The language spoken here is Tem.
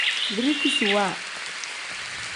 Birikisiwa.